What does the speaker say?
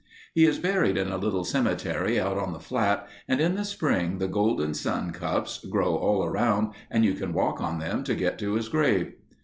He is buried in a little cemetery out on the flat and in the spring the golden sun cups, grow all around and you walk on them to get to his grave.